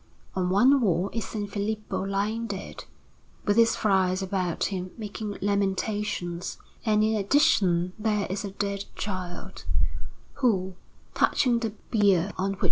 On one wall is S. Filippo lying dead, with his friars about him making lamentation; and in addition there is a dead child, who, touching the bier on which S.